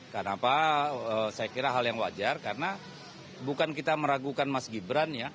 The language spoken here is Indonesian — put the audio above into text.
kenapa saya kira hal yang wajar karena bukan kita meragukan mas gibran ya